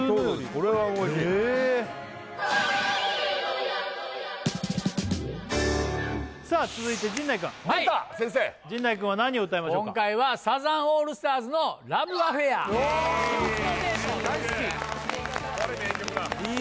これはおいしいさあ続いて陣内くんでた先生陣内くんは何を歌いましょうか今回はサザンオールスターズの「ＬＯＶＥＡＦＦＡＩＲ」わあ大好きこれ名曲だいい